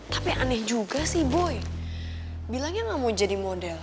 tapi aneh juga sih boy bilangnya gak mau jadi model